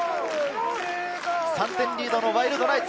３点リードのワイルドナイツ。